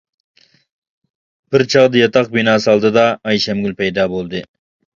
بىر چاغدا ياتاق بىناسى ئالدىدا ئايشەمگۈل پەيدا بولدى.